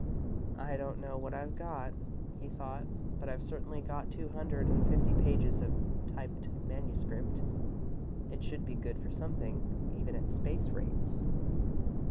"I don't know what I've got," he thought, "but I've certainly got two hundred and fifty pages of typed manuscript. It should be good for something even at space rates."